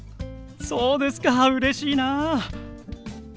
そうですかうれしいな。